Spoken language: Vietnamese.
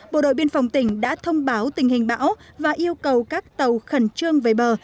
bộ đội biên phòng tỉnh đã thông báo tình hình bão và yêu cầu các tàu khẩn trương về bờ